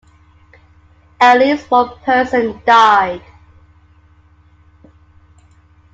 At least one person died.